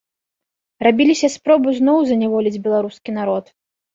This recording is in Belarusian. Рабіліся спробы зноў заняволіць беларускі народ.